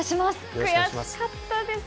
悔しかったですね。